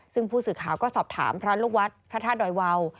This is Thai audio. ซึ่งผู้สื่อข่าวก็สอบถามพระลูกวัดพระธาตุดอยวาว